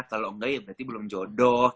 kalau enggak ya berarti belum jodoh